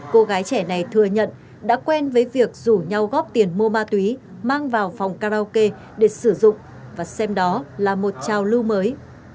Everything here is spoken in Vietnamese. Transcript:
cô gái trẻ này thừa nhận đã quen với việc rủ nhau góp tiền mua ma túy mang vào phòng karaoke để sử dụng và xem đó là một trào lưu mới